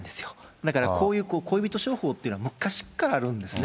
だからこういう恋人商法っていうのは、昔からあるんですね。